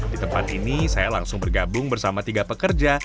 di tempat ini saya langsung bergabung bersama tiga pekerja